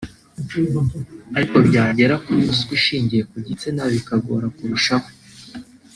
Ariko byagera kuri ruswa ishingiye ku gitsina bikagora kurushaho